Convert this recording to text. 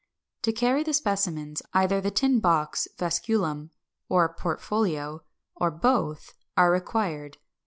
To carry the specimens, either the tin box (vasculum) or a portfolio, or both are required.